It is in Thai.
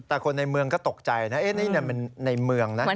แต่คนในเมืองก็ตกใจนะนี่มันในเมืองนะ